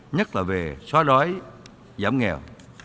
nhất là về xóa đói giảm nghèo